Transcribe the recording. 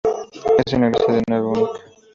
Es una iglesia de nave única.